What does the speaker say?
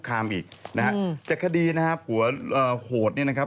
สาวผู้ถูกราดน้ำมันเผานะครับ